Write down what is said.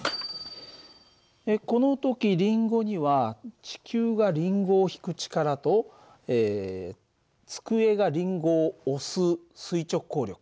この時リンゴには地球がリンゴを引く力と机がリンゴを押す垂直抗力